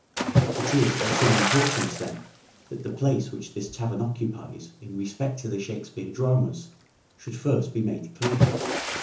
It is of some importance, then, that the place which this tavern occupies in respect to the Shakespeare dramas should first be made clear.